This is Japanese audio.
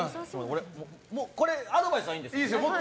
これアドバイスはいいんですよね。